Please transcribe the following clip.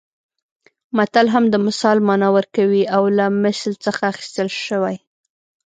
متل هم د مثال مانا ورکوي او له مثل څخه اخیستل شوی